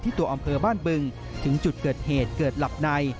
ตัวอำเภอบ้านบึงถึงจุดเกิดเหตุเกิดหลับใน